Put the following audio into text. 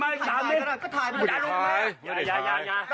ไม่ถ่าย